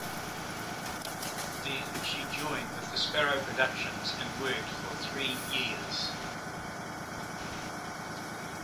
Then she joined with the Sparrow Productions and worked for three years.